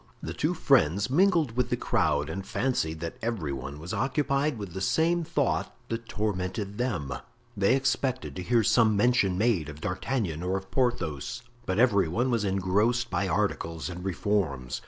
The two friends mingled with the crowd and fancied that every one was occupied with the same thought that tormented them. They expected to hear some mention made of D'Artagnan or of Porthos, but every one was engrossed by articles and reforms.